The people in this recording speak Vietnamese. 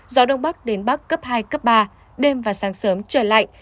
gió đông bắc đến bắc cấp hai cấp ba đêm và sáng sớm trời lạnh